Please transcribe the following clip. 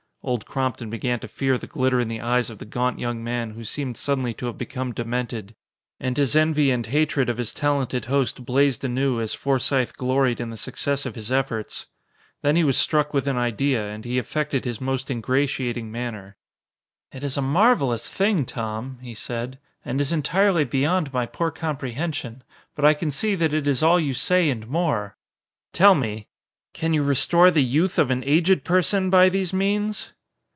Old Crompton began to fear the glitter in the eyes of the gaunt young man who seemed suddenly to have become demented. And his envy and hatred of his talented host blazed anew as Forsythe gloried in the success of his efforts. Then he was struck with an idea and he affected his most ingratiating manner. "It is a marvelous thing, Tom," he said, "and is entirely beyond my poor comprehension. But I can see that it is all you say and more. Tell me can you restore the youth of an aged person by these means?"